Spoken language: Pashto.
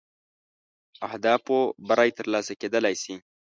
اهدافو بری تر لاسه کېدلای شي.